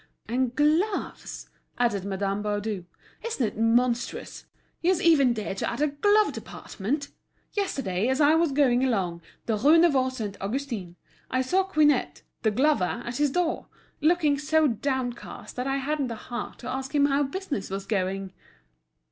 "And gloves," added Madame Baudu; "isn't it monstrous? He has even dared to add a glove department! Yesterday, as I was going along the Rue Neuve Saint Augustin, I saw Quinette, the glover, at his door, looking so downcast that I hadn't the heart to ask him how business was going."